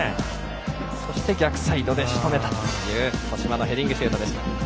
逆サイドでしとめたという戸嶋のヘディングシュートでした。